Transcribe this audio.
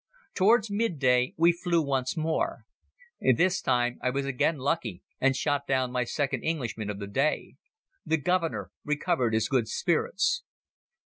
Towards mid day we flew once more. This time, I was again lucky and shot down my second Englishman of the day. The Governor recovered his good spirits.